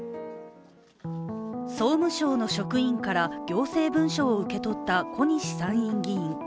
総務省の職員から行政文書を受け取った小西参院議員。